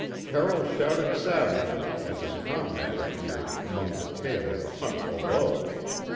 Carroll shouted savagely as his comrade appeared among the tail of the hunt below.